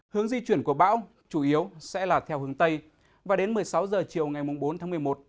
hướng di chuyển của bão chủ yếu sẽ là theo hướng tây và đến một mươi sáu h chiều ngày bốn tháng một mươi một